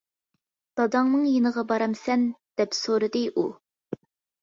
داداڭنىڭ يېنىغا بارامسەن؟ دەپ سورىدى ئۇ.